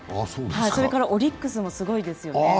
それから、オリックスもすごいですよね。